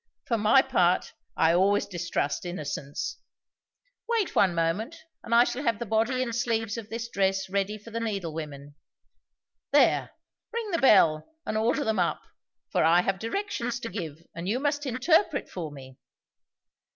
For my part, I always distrust innocence. Wait one moment, and I shall have the body and sleeves of this dress ready for the needle women. There, ring the bell, and order them up; for I have directions to give, and you must interpret for me."